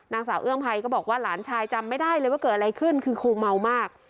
นางสาวเอื้องภัยก็บอกว่าหลานชายจำไม่ได้เลยว่าเกิดอะไรขึ้นคือคงเมามาก